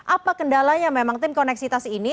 apa kendalanya memang tim koneksitas ini